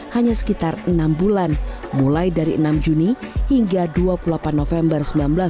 hanya sekitar enam bulan mulai dari enam juni hingga dua puluh delapan november seribu sembilan ratus empat puluh